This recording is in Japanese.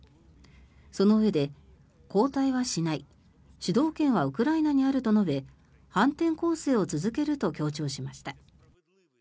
そのうえで、後退はしない主導権はウクライナにあると述べ反転攻勢を続けると強調しました。